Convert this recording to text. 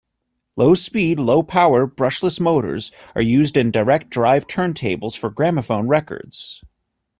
Low speed, low power brushless motors are used in direct-drive turntables for gramophone records.